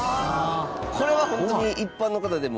これは、本当に一般の方でも。